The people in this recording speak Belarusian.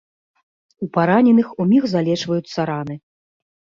У параненых уміг залечваюцца раны.